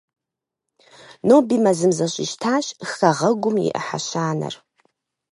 Ноби мэзым зэщӀищтащ хэгъэгум и ӏыхьэ щанэр.